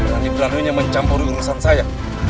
lagi pelanunya mencampur urusan saya